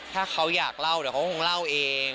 ถ้าเขาอยากเล่าเดี๋ยวเขาคงเล่าเอง